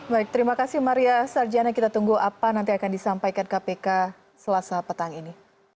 baik terima kasih maria sarjana kita tunggu apa nanti akan disampaikan kpk selasa petang ini